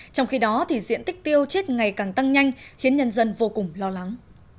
trong khi đó diện tích tiêu chết ngày càng tăng nhanh khiến nhân dân vô cùng lo lắng